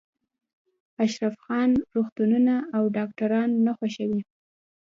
اشرف خان روغتونونه او ډاکټران نه خوښوي